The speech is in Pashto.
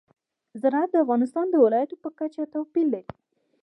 زراعت د افغانستان د ولایاتو په کچه توپیر لري.